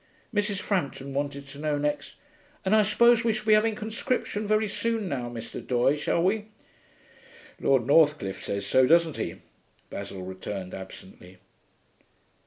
Mrs. Frampton wanted to know next, 'And I suppose we shall be having conscription very soon now, Mr. Doye, shall we?' 'Lord Northcliffe says so, doesn't he?' Basil returned absently.